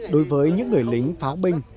đối với những người lính pháo binh